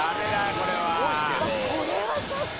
これはちょっと。